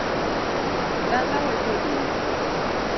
Dalawa ji orume